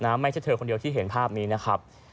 ไม่ใช่เธอคนเดียวที่เห็นภาพนี้นะครับ